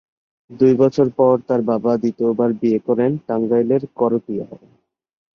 দুই বছর পর তাঁর বাবা দ্বিতীয়বার বিয়ে করেন টাঙ্গাইলের করটিয়ায়।